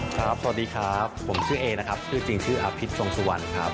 สวัสดีครับผมชื่อเอนะครับชื่อจริงชื่ออภิษทรงสุวรรณครับ